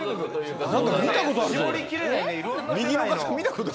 絞りきれないね。